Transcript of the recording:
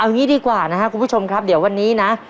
อย่างนี้ดีกว่านะครับคุณผู้ชมครับเดี๋ยววันนี้นะ